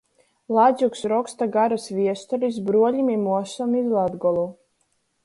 Ladzuks roksta garys viestulis bruolim i muosom iz Latgolu.